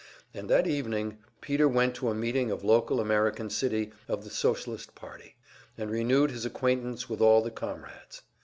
And that evening Peter went to a meeting of Local American City of the Socialist Party, and renewed his acquaintance with all the comrades.